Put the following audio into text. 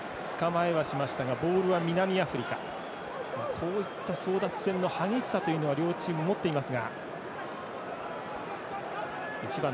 こういった争奪戦の激しさというのは両チーム持っています。